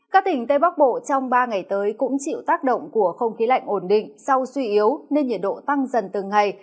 các tỉnh tây bắc bộ trong ba ngày tới cũng chịu tác động của không khí lạnh ổn định sau suy yếu nên nhiệt độ tăng dần từng ngày